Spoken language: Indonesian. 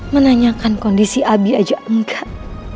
menanyakan kondisi abi aja enggak